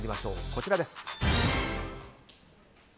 こちらです。